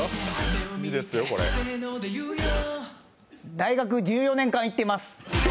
大学１４年間行ってます。